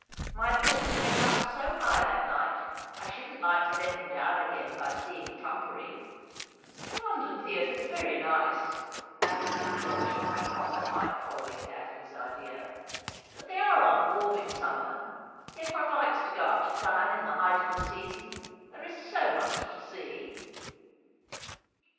My thoughts went up so high that night, I shouldn't like to let them down again by seeing Irampery.' ' The London theatres are very nice,' said Mrs. Turchill, not quite following Daphne's idea. ' But they are rather warm in summer. Yet one likes to go up to town in the height of the season. There is so much to see.'